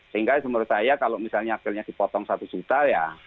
sehingga menurut saya kalau misalnya akhirnya dipotong satu juta ya